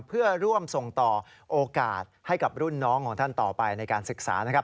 เพื่อร่วมส่งต่อโอกาสให้กับรุ่นน้องของท่านต่อไปในการศึกษานะครับ